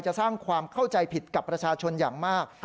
จะสร้างความเข้าใจผิดกับประชาชนอย่างมาก